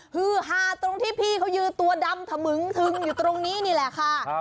ฮือฮาตรงที่พี่เขายืนตัวดำถมึงทึงอยู่ตรงนี้นี่แหละค่ะ